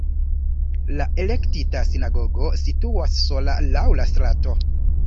La eklektika sinagogo situas sola laŭ la strato.